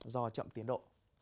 do chậm tiến độ